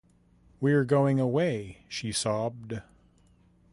"We're going away," she sobbed.